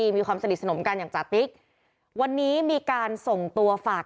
มีความสนิทสนมกันอย่างจาติ๊กวันนี้มีการส่งตัวฝาก